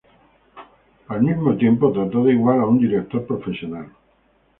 Al mismo tiempo, trató de la mano en director profesional.